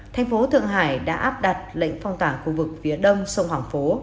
thành phố thượng hải đã áp đặt lệnh phong tỏa khu vực phía đông sông hoàng phố